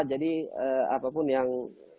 jadi apapun yang